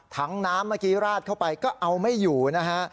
ถังน้ำเมื่อกี้ราดเข้าไปก็เอาไม่อยู่นะฮะ